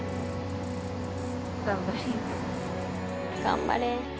頑張れ。